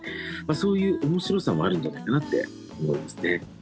そういう面白さもあるんじゃないかって思いますね。